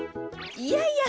いやいや。